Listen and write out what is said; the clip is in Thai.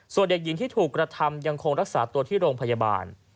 ส่วนเด็กหญิงที่ถูกกระทำยังคงรักษาตัวที่โรงพยาบาล